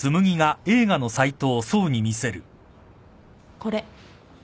これ。